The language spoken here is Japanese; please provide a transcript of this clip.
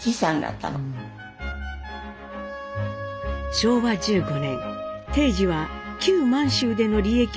昭和１５年貞次は旧満州での利益を手に帰国。